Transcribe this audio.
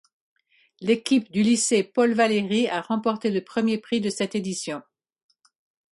L'équipe du lycée Paul-Valéry a remporté le premier prix de cette édition.